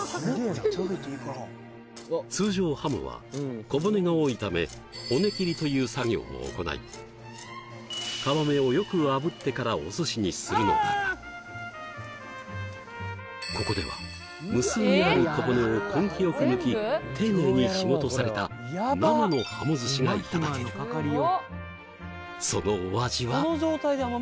通常ハモは小骨が多いため骨切りという作業を行いするのだがここでは無数にある小骨を根気よく抜き丁寧に仕事された生のハモ寿司がいただけるそのお味は？